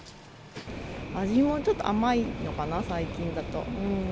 味もちょっと甘いのかな、最近だと。